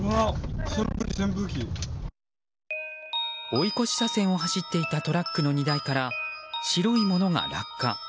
追い越し車線を走っていたトラックの荷台から白いものが落下。